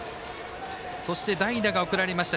そして代打が送られました。